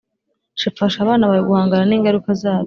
Fasha abana bawe guhangana ningaruka zabyo